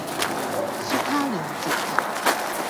說他亂接劇